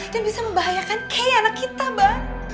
dan bisa membahayakan kayak anak kita bang